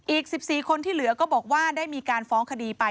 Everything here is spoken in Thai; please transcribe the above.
อีก๑๔คนที่เหลือก็บอกว่าได้มีการฟ้องคดีไป